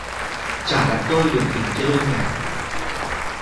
Trả lại tôi đường tình chia đôi ngả